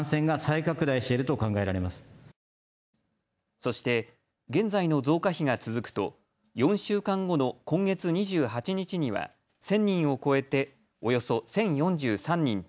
そして、現在の増加比が続くと４週間後の今月２８日には１０００人を超えておよそ１０４３人と